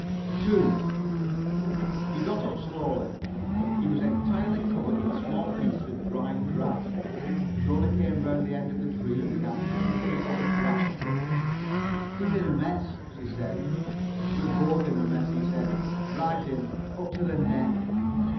[Pg 64]2 He got up slowly. He was entirely covered with small pieces of dried grass. Jona came round the end of the tree and began picking pieces of grass off him. "You're in a mess," she said. "We're both in a mess," he said. "Right in. Up to the neck."